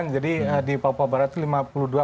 jadi di papua barat itu lima puluh dua delapan puluh tiga